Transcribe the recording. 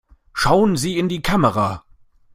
Schauen Sie in die Kamera!